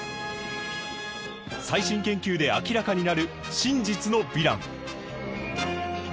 最新研究で明らかになる真実のヴィラン！